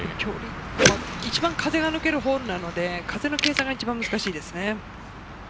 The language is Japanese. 一番、風が抜けるホールなので、風の計算が一番難しいですね。